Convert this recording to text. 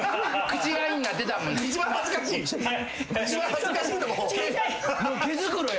一番恥ずかしいとこを。